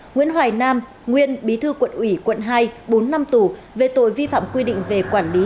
nguyễn hoài nam nguyên bí thư quận ủy quận hai bốn năm tù về tội vi phạm quy định về quản lý